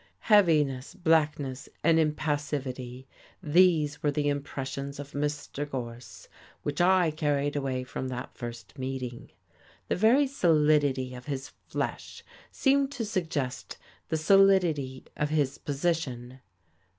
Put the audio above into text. Heaviness, blackness and impassivity, these were the impressions of Mr. Gorse which I carried away from that first meeting. The very solidity of his flesh seemed to suggest the solidity of his position.